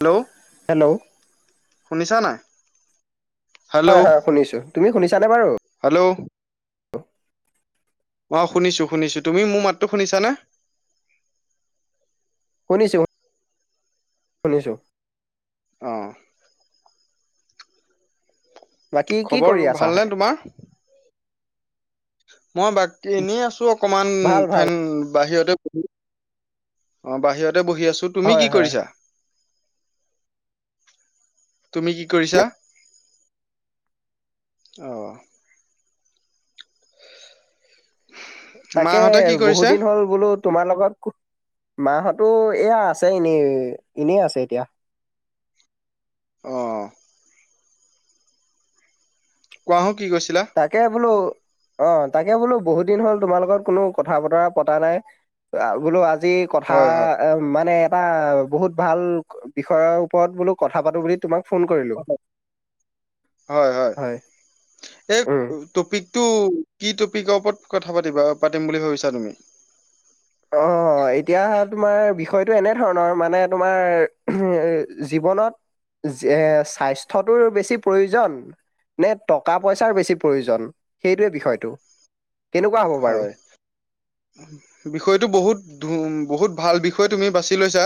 Hello hello শুনিছা নাই hello হয়- হয় শুনিছো তুমি শুনিছানে বাৰু? হেল্ল' অ শুনিছো শুনিছো তুমি মোৰ মাতটো শুনিছানে শুনিছো - শুনিছো। অহ ', বাকী কি খবৰ কৰি আছা ভালনেে তোমাৰ মই বাক এনে আছো অকমান ভাল ভাল ফেন বাহিৰতে বহ অ বাহিৰত তে বহি আছো তুমি হয় কি হয় কৰিছা তুমি কি কৰিছা আহ তাকে মাহঁতে কি বহুত কৰিছে? দিন হ'ল বোলো তোমাৰ লগত মাহতো এয়া আছে এনেই এনেই আছে এতিয়া আহ কোৱাাহক তাকে বোলো অ তাকে বোলো বহুত দিন হ'ল তোমাৰ লগত কোনো কথা বতৰা পতা নাই বোলো আজি আি কথা হয় হয় এ মানে এটা বহুত ভাল বিষয়ৰ ওপৰত বোলো কথা পাতো বুলি তোমাক ফোন কৰিলোঁ হয় এই উম টপিকটো কি টপিকৰ ওপৰত কথা পাতিবা পাতিম বুলি ভাবিছা তুমি অ এতিয়া তোমাৰ বিষয়টো এনে ধৰণৰ মানে তোমাৰ জ জীৱনত স্বাস্থ্যটোৰ বেছি প্ৰয়োজন নে টকা পইচাৰ বেছি প্ৰয়োজন সেইটোৱে বিষয়টো কেনেকুৱা হ'ব বাৰু? হয় বিষয়তটো বহুত ধ বহুত ভাল বিষয় তুমি বাছি লৈছা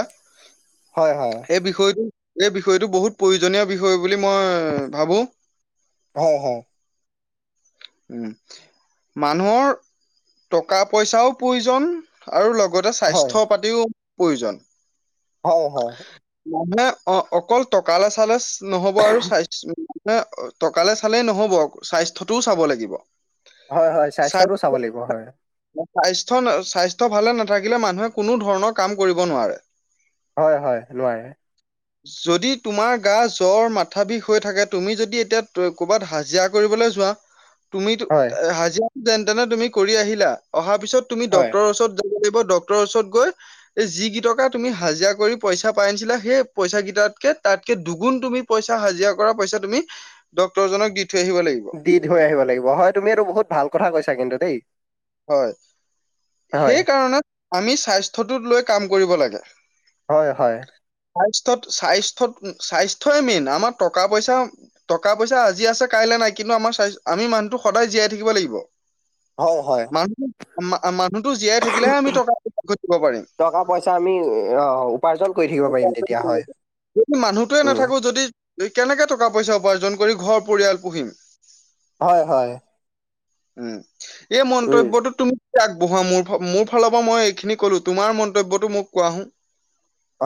হয়, হয়, সেই বিষয়টো এই বিষয়টো বহুত প্ৰয়োজনীয় বিষয় বুলি মই ভাবো হ হ উ মানুহৰ টকা পইচাও প্ৰয়োজন আৰু লগ লগতে হয়, স্বাস্থ্য পাতিও প্ৰয়োজন হয় হয় মানে অ অকল টকাালে চালে নহ'ব আৰু চাই ন টকালে চালেই নহ'ব স্বাস্থ্যটোও চাব লাগিব হয় হয় স্বাস্থ্যটো চাব লাগিব হয় স্বাস্থ্্য স্বাস্থ্্য ভালে নাথাকিলে মানুহে কোনো ধৰণৰ কাম কৰিব নোৱাৰে হয় হয় নোৱাৰে যদি তোমাৰ গা জ্বৰ মাথা বিষ হৈ থাকে তুমি যদি এতিয়া ক'ৰবাত হাজিৰা কৰিবলৈ ছোোৱা তুমিো হয়, হাজিৰা যেন তেনে তুমি কৰি আহিলা অহা পিছত তুমি হয়, ড্টৰৰ ওচৰত লাগিব ড্টৰৰ ওচৰত গৈ এই যি কিটকা তুমি হাজিৰা কৰি পইচা পাই আনিছিলা সেই পইচা কেইটাতকে তাতকে দুগুণ তুমি পইচা হাজিৰা কৰা পইচা তুমি ডক্তৰ জক দি থৈ আহিব লাগিব দি থৈ আহিব লাগিব হয় তুমিো বহুত ভাল কথা কৈছা কিন্তু দেই হয় হয়, সেই কাৰণে আমি স্বাস্থ্যটোত লৈ কাম কৰিব লাগে হয় হয় স্বাস্থ্্যত স্বাস্থ্্যত স্বাস্থ্য়ই মেইন আমাৰ টকা পইচা টকা পইচা আজি আছে কাইলৈ নাই কিন্তু আমাৰ আমি মানুহটো সদায় জীয়াই থাকিব লাগিব হয় মানুহ মানুহতো জীয়াই থাকিলেহে আমি টকা পচ দিব পাৰিম টকা পইচা আমি অ উপাৰ্জন কৰি থাকিব পাৰিম তেতিয়া হয় যদি মানুহটোৱে উম, নাথাকো যদি কেনেকে টকা পইচা উপাৰ্জন কৰি ঘৰ পৰিয়াল পুহিম হয় হয় উম এই উম, মন্তব্যটো তুমি আগবঢ়া মোৰ মোৰ ফালৰ পৰা মই এইখিনি কলো তোমাৰ মন্তব্যটো মোক কোৱা হো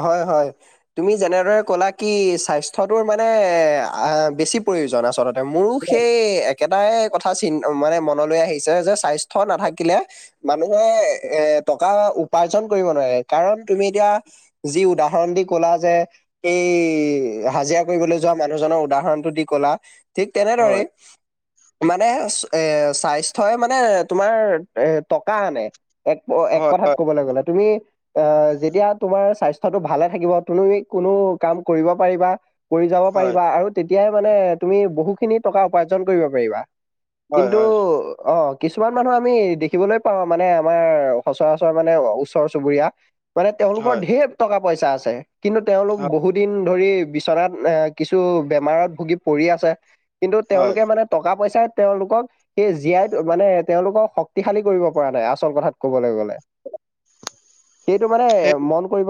হয় হয় তুমি যেনেদৰে ক'লা কি স্বাস্থ্যটোৰ মানে বেছি প্ৰো আচলতে মোৰো সেই একেটাই কথা চ মানে মনলৈ আহিছে যে স্বাস্থ্য নাথাকিলে মানুহে এ টকা উপাৰ্জন কৰিব নোৱাৰে কাৰণ তুমি এতিয়া যি উদাহৰণ দি ক'লা যে এই হাজিৰা কৰিবলৈ যোৱা মানুহজনৰ উদাহৰণটো দি ক'লা ঠিক তেনেদৰে হয় মানে এ স্বাস্থ্যই মানে তোমাৰ এ টকা আনে এক এক হয় কথাত কবলৈ গলে তুমি অ যেতিয়া তোমাৰ স্বাস্থ টো ভালে থাকিব তুমি কোনো কাম কৰিব পাৰিবা কৰি যাব হয় হয় পাৰিবা আৰু এতিয়াই মানে তুমি বহুখিনি টকা উপাৰ্জন কৰিব পাৰিবা হয় কিন্তু হয় অ'। কিছুমান মানুহ আমি দেখিবলৈ পাওঁ মানে আমাৰ সচৰাচৰ মানে ওচৰ চুবুৰীয়া মানে হয় তেওঁলোকৰ ধেৰ টকা পইচা আছে কিন্তু তেওঁলোক হয় বহু দিন ধৰি বিচনাত এ কিছু বেমাৰত ভুগি পৰি আছে কিন্তু হয় তেওঁলোকে মানে টকা-পইচাই তেওঁলোকক সেই জীয়াই মানে তেওঁলোকক শক্তিশালী কৰিব পৰা নাই আচল কথাত কবলৈ গলে সেইটো মানে সেই মন কৰিব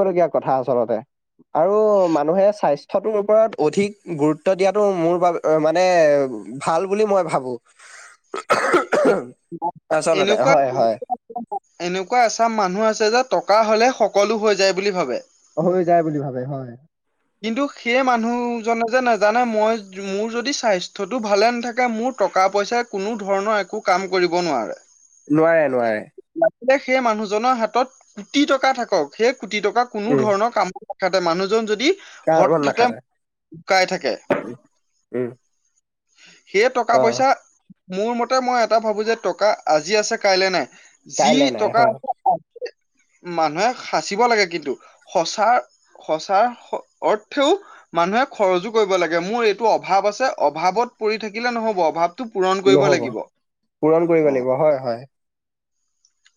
আৰু মানুে স্বাস্থ ওৰত অিক গুৰুত্ব দ মোৰ মানে ভাল বুলি মই ভাবো আচলতে এনেকুৱা হয় হয় এনেকুৱা এচাম মানুহ আছে যে টকা হলে সকলো হৈ যায় বুলি ভাবে হৈ যায় বুলি ভাবে হয় কিন্তু সেইয়ে মানুহজনে যে নাজ নাজানে মই মোৰ যদি স্বাস্থ্যটোো ভালে নাথাকে মোৰ টকা পইচাই কোনো ধৰণৰ একো কাম কৰি কৰিব নোৱাৰে নোৱাৰে নোৱাৰে। সেই মানুহজনৰ হাতত কোটি টকা থাকক সেই কোটি টকা কোনো উম ধৰণৰ কামত দেখাতে মানুহজন যদি কাৰ মন হঠাতে নাখাতে শুকাই থাকে। উম সেই টকা অ পইচা মোৰ মতে মই এটা ভাবো যে টকা আজি আছে কাইলৈ নাই যি কাইলে নাই টকা হয় [unintelligible] মানুহে সাঁচিব লাগে কিন্তু সঁচা -সঁচাৰ অৰ্থেও মানুহে খৰচো কৰিব লাগে মোৰ এইটো অভাৱ আছে অভাৱত পৰি থাকিলে নহ'ব অভাৱ টো পূৰণ কৰিব নহব লাগিব পূৰণ কৰিব অ লাগিব হয় হয়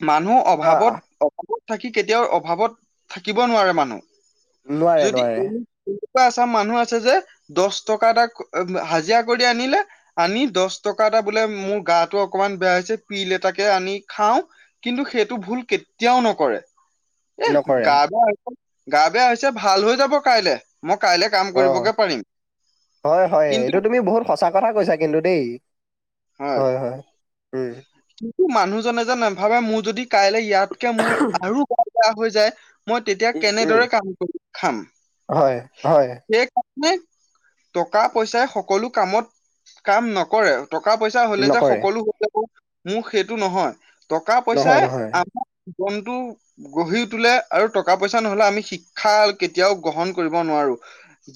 মানুহ অ অভাৱত অভাৱত থাকি কেতিয়াও অভাৱত থাকিব নোৱাৰে মানুহ। নোৱাৰে যদি নোৱাৰে এনেকুৱা এচাম মানুহ আছে যে দহ টকা এটা হাজিৰা কৰি আনিলে আনি দহ এটা বোলে মোৰ গাটো অকণমান বেয়া হৈছে পল এটাকে আনি খাও কিন্তু সেইটো ভুল কেতিয়াও নকৰে। এ নকৰে গা বেয়া হৈছে গা বেয়া হৈছে ভাল হৈ যাব কাইলে মই কাইলে কাম অ কৰিবগে পাৰিম। হয় হয় কিন্তু এইটো তুমি বহুত সঁচা কথা কৈছা কিন্তু দেই হয় হয়-হয়- উম। কিন্তু মানুহজনে যে নাভাবে মোৰ যদি কাইলৈ ইয়াতকে মোৰ আৰু গা বেয়া হৈ যায় মই তেতিয়া উম উম কেনেদৰে কাম কৰি খাম হয় হয় সেইকাৰণে টকা পইচাই সকলো কামত কাম নকৰে টকা পইচা হলে যে নকৰে সকলো হৈ যাব মোক সেইটো নহয় নহয় টকা-পইচাই নহয় আমাৰ। জন্তু গঢ়ি উঠুলে আৰু টকা পইচা নহলে আমি শিক্ষা কেতিয়াও গ্ৰহণ কৰিব নোৱাৰো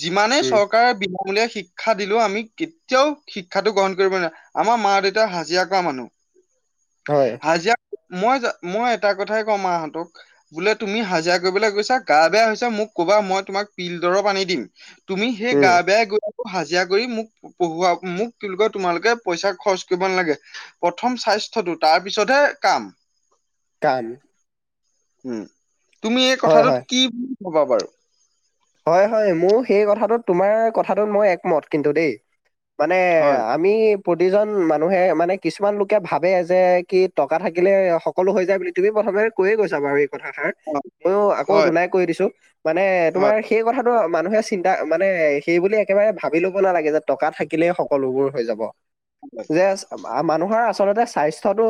যিমানেই উম চৰকাৰে বি বুলিয় শিক্ষা দিলোও আমি কেতিয়াও শিক্ষাো গ্ৰহণ কৰিব নোৱাৰো আমাৰ মা দেউতা হাজিৰা কৰা মানুহ [inaudible] আাজিা মই-মই এটা কথাই কওঁ মাহঁতক বোলে তুমি হাজিৰা কৰিবলৈ গৈছা গা বেয়া হৈছে মোক ক কবা মই তোমাক পিলডৰৰ পানী দিম তুমি সেই উম গা বেয়াই গৈ হাজিৰা কৰি মোক পঢ়োৱা মোক তোমালোকে পইচা খৰচ কৰিব নালাগে প্ৰথম চাই স্বাস্থটো তাৰ পিছতহে কাম কাম তুমি এই হয় কথাটোত কি বুলি কবা বাৰু। হয়-হয় মোৰ সেই কথাটোত তোমাৰ কথাটোত মই একমত কিন্তু দেই। মানে হয়, আমি প্ৰতিজন মানুহে মানে কিছুমান লোকে ভাবে যে কি টকা থাকিলে সকলো হৈ যায় বুলি তুমি ক কৈয়ে কৈছা বাৰু এই কথা তাৰ হয়, ময়ো আকৌ হয়, দুই লাই কৈ দিছো মানে তোমাৰ হয়, স কথাটো মানুহে চিন্তা মানে সেই বুলি একেবাৰে ভাবি ল'ব নালাগে যে টকা থাকিলেই সকলোবোৰ হৈ যাব। যে মানুহ তমাৰ আচলতে স্বাস্থ্যটো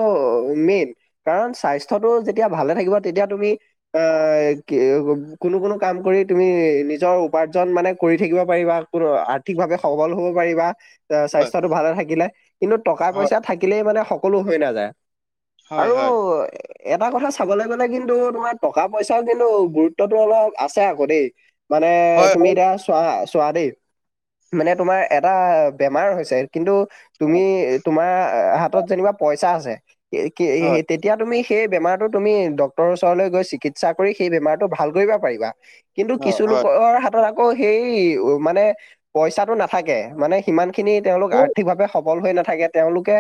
মেইন কাৰণ স্বাস্থ্যটো যেতিয়া ভালে থাকিব তেতিয়া তুমি অ, কি কোনো কোনো কাম কৰি তুমি। নিজৰ উপাৰ্জন মানে কৰি থাকিব পাৰিবা, কোনো আৰ্থিকভাৱে সবল হব পাৰিবা। হয়, স্বাস্থ্যটো ভালে থাকিলে কিন্তু টকা হয়, পইচা থাকিলেই মানে সকলো হৈ নাযায়। হয়, আৰু হয়, এটা কথা চাবলৈ গলে কিন্তু তোমাৰ টকা পইচাৰও কিন্তু গুৰুত্বটো অলপ আছে আকৌ দেই মানে হয়, হয়, তুমি এতিয়া চোৱা-চোৱা দেই মানে তোমাৰ এটা বেমাৰ হৈছে। কিন্তু তুমি হয়, তোমাৰ হাতত যেনিবা পইচা আছে কি হয়, তেতিয়া তুমি সেই বেমাৰটো তুমি ডক্তৰৰ ওচৰলৈ গৈ চিকিৎসা কৰি সেই বেমাৰটো ভাল কৰিব পাৰিবা কিন্ত হয়, কিছু হয়। হয়। লোকৰ হাতত আকৌ সেই মানে পইচাটো নাথাকে মানে সিমান খিনি তেওঁলোক আৰ্থিকভাৱে। হৈ নাথাকে তেওঁলোকে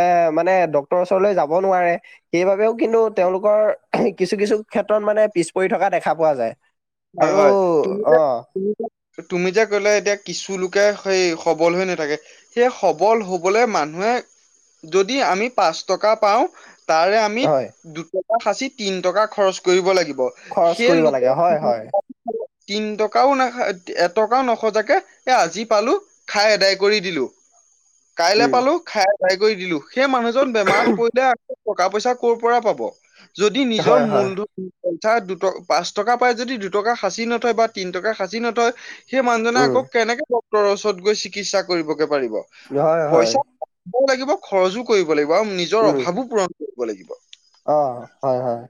এ মানে ডক্তৰৰ ওচৰলৈ যাব নোৱাৰে সেইবাবেও কিন্তু তেওঁ তেওঁলোকৰ কিছু- কিছু ক্ষেত্ৰত মানে পিছ পৰি থকা দেখা পোৱা যায়। আৰু হয়-হয় তুমি যে অ তুমি যে কলে এতিয়া কিছু লোক সেই সবল হৈ নাথাকে সেই সবল হ'বলে মানুহে যদি আমি পাঁচ টকা পাওঁ। তাৰে আমি হয় দুটকা সাঁচি তিন টকা খৰচ কৰিব লাগিব সেই লোকে হয়-হয়, তিন টকাও নাখা এটকাও নখজাকে এ আজি পালো খাই এদাই কৰি দিলো। [inaudible] কাইলে পালো খাই ভাই কৰি দিলো সেই মানুহজন বেমাৰত পৰিলে। টকা পইচা কৰ' পৰা পাব যদি নিজৰ হয় হয়, মূলধন পইচা দুট পাঁচ টকা। পায় যদি দুটকা সাঁচি নথয় বা তিনি টকা সাঁচি নথয় সেই মানুহজনে উম, আকৌ কেনেকে [unintelligible] ওচৰত গৈ চিকিৎসা কৰিবগে পাৰিব, হয় হয়, পইচা [unintelligible] লাগিব খৰছো কৰিব ল আৰু নিজৰ উম, অভাৱো পূৰণ কৰিব লাগিব। অ' হয়-হয়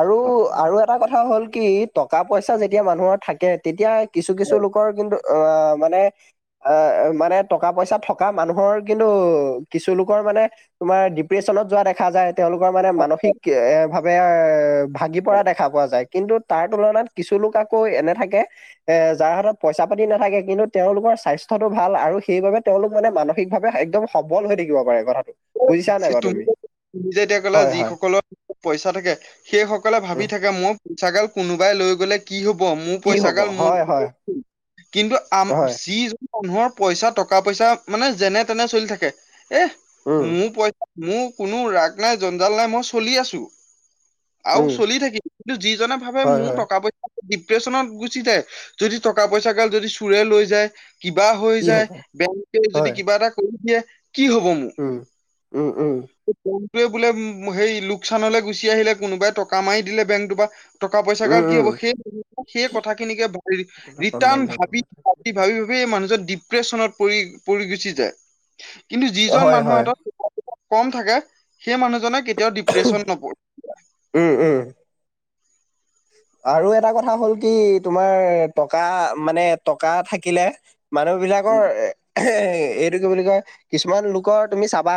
আৰু-আৰু এটা কথা কথা হ'ল কি টকা পইচা যেতিয়া মানুহৰ থাকে তেতিয়া কিছু-কিছু লোকৰ কিন্তু আহ মানে আ মানে টকা পইচা থকা মানুহৰ কিন্তু কিছু লোকৰ মানে তোমাৰ ডিপ্ৰেশচনত যোৱা দেখা যায় তেওঁলোক, মানে মানসিক এ ভাৱে ভাগি পৰা দেখা পোৱা যায়। কিন্তু তাৰ তুলনাত কিছু লোক আকৌ এনে থাকে এ যাৰ হাতত পইচা পাতি নাথাকে কিন্তু তেওঁলোকৰ স্বাস্থ্যতটো ভাল আৰু সেইবাবে তেওঁলোক মানে মানসিকভাৱে এক্দম সবল হৈ থাকিব পাৰে। তুমি বুজিছা নাই যে বাৰু তুমি যে এতিয়া হয় হয় যিসকলৰ পইচা থাকে সেই সকলে ভাবি উম থাকে মই পইচা গাল কোনোবাই লৈ গলে। কি হ'ব মোৰ কি পইচা হব গাল মোৰ হয় হয় [unintelligible] কিন্তু আম হয় যিজন মানুহৰ পইচা টকা পইচা মানে যেনে তেনে চলি থাকে এ উম মোৰ পইচা মোৰ কোনো ৰাগ নাই জঞ্জাল নাই মই চলি আছোঁ। আৰু উম চলি থাকিম কিন্তু যিজনে ভাবে হয় মোৰ হয় টকা পইচা। ডিপ্ৰেচনত গুচি যায় যদি টকা পইচা গাল যদি চোৰে লৈ যায় কিবা হৈ কি যায় হব বেংকে যদি হয় কিবা এটা কৰি দিয়ে কি হ'ব মোৰ উম উম উম বেংকটোৱে বোলে সেই লোকচানলৈ গুচি আহিলে কোনোবাই টকা মাৰি দিলে বেংকটো বা টকা পইচা উম গাল কি উম হ'ব সেই মানুহজন সে কথাখিনিকে ৰিটাৰ্ণ সন্মান সেইটো ভাবি কথা ভাবি ভাবি ভাবি এই মানুহজন ডিপ্ৰেশ্যনত পৰি পৰি গুচি যায় কিন্তু যিজন হয় হয়। মানুহৰ। হাতত কম থাকে সেই মানুহজনে কেতিয়াও ডিপ্ৰেচন নপৰি উম উম আৰু এটা কথা হ'ল কি তোমাৰ টকা মানে টকা থাকিলে মানুহ বিলাকৰ উম এ এইটো কি বুলি কয় কিছুমান লোকৰ তুমি চাবা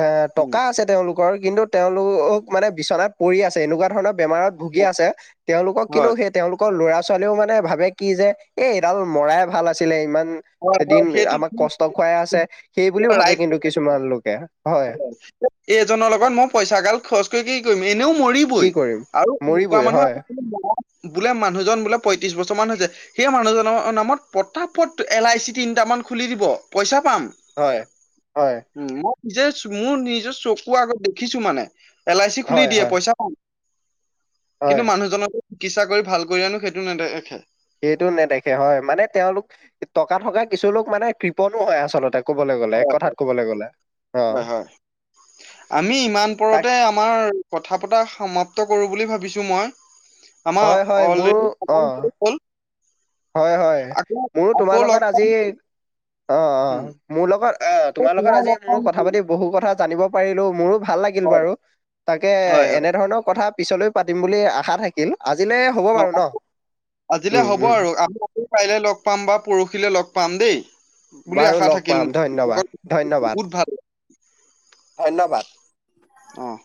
এ উম টকা আছে তেওঁলোকৰ কিন্তু তেওঁলোকোক মানে বিচনাত পৰি আছে এনেকুৱা ধৰণৰ বেমাৰত ভুগি আছে তেওঁলোকক কিন্তু হয় সেই তেওঁলোক অ ল'ৰা ছোৱালীও মানে ভাবে কি যে এ এডাল মৰাই ভাল আছিলে ইমান হয় এদিন হয় সেইটো আমাক কষ্ট খুৱাই আছে সেই বুলি ভাবে কিন্তু কিছুমান লোকে হয় এইজনৰ লগত মই পইচা গাল খৰচ কৰি কি কৰিম এনেও কি মৰিবই কৰিম আৰু এনেকুৱা মৰিবই মানুহৰ হয় [inaudible] বোলে মানুহজন বোলে পঁয়ত্ৰিশ বছৰ মান হৈছে সেই মানুহজনৰ নামত পতাপত এল আই চি তিনিটা খুলি দিব পইচা পাম হয় হয় জাষ্ট মোৰ নিজৰ চকু আগত দেখিছো মানে এল আই চি খুলি হয় দিয়ে হয় পইচা পাম হয়, কিন্তু মানুহজনক চিকিৎসা কৰি ভাল কৰি আনো সেইটো নেদেেখে। সেইটো নেদেখে হয় মানে তেওঁলোক টকা থকা কিছুুলোক মানে কৃপনো হয় আচলতে ক'বলৈ গ'লে এক কথাত ক'বলে গ'লে অ', বা হয় আমি ইমান তাক পৰতে আমাৰ কথা পতা সমাপ্ত কৰো বুলি ভাবিছো মই হয় আমাৰ হয় মোৰো অলৰেডি অ', [unintelligible] হল হয় হয় আকৌ মোৰো তোমাৰ আকৌ লগত লগ আজি অ অ পাম মোৰ লগত অ এই তোমাৰ লগত আজি লগ মোৰ পাম কথা পাতি বহু কথা জানিব পাৰিলো মোৰো ভাল লাগিল হয়। বাৰু তাকে হয় হয় এনে ধৰণৰ কথা পিছলৈ পাতিম বুলি আশা থাকিল আজিলৈ হ'ব বাৰু অ ন আজিলে উম হ'ব আৰু উম আমি [unintelligible] লগ পাম বা পৰহিলে লগ পাম দেই বুলি বাৰু আশা লগ থাকিল পাম [unintelligible] ধন্যবাদ, ধন্যবাদ, বহুত ভাল ধন্যবাদ। অহ